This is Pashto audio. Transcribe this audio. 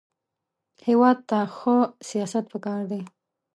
هېواد ته ښه سیاست پکار دی